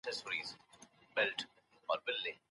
آیا د تاریخ په مطالعې کي هغه مهم دی؟